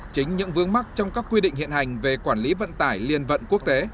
chính những vướng mắt trong các quy định hiện hành về quản lý vận tải liên vận quốc tế